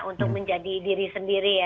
untuk menjadi diri sendiri